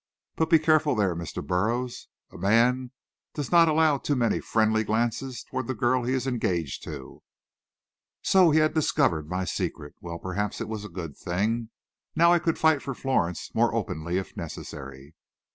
But be careful there, Mr. Burroughs. A man does not allow too many `friendly' glances toward the girl he is engaged to." So he had discovered my secret! Well, perhaps it was a good thing. Now I could fight for Florence more openly if necessary.